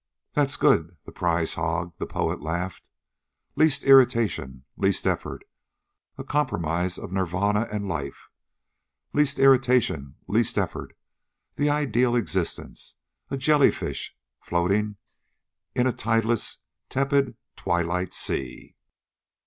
"That's good, that prize hog," the poet laughed. "Least irritation, least effort a compromise of Nirvana and life. Least irritation, least effort, the ideal existence: a jellyfish floating in a tideless, tepid, twilight sea."